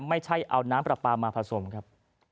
ไม่ใช่เอาน้ำปลาปลามาผสมครับ